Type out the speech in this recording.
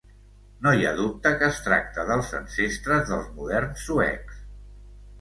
No hi ha dubte que es tracta dels ancestres dels moderns suecs.